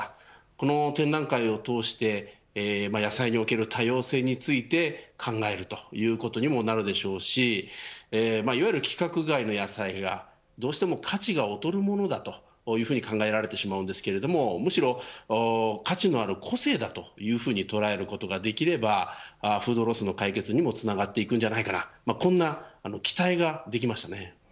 この展覧会を通して野菜における多様性について考えるということにもなるでしょうしいわゆる規格外の野菜がどうしても価値が劣るものだというふうに考えてしまうんですけれどむしろ価値のある個性だととらえることができればフードロスの解決にもつながっていくのではないかこんな期待ができました。